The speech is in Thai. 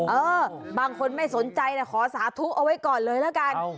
เออบางคนไม่สนใจแต่ขอสาธุเอาไว้ก่อนเลยละกัน